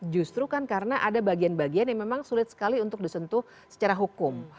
justru kan karena ada bagian bagian yang memang sulit sekali untuk disentuh secara hukum